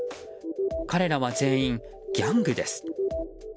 彼らは全員ギャングです。